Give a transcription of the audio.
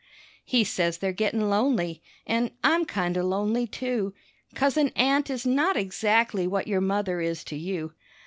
He says they're gettin' lonely, an' I'm kind o' lonely, too, Coz an aunt is not exactly what your mother is to you.